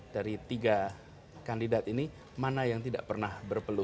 dari tiga kandidat ini mana yang tidak pernah berpelu